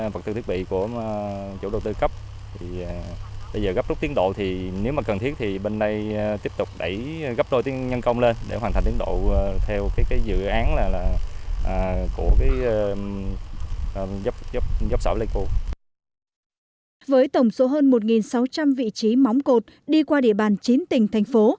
với tổng số hơn một sáu trăm linh vị trí móng cột đi qua địa bàn chín tỉnh thành phố